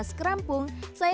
dengan petika yang vilanya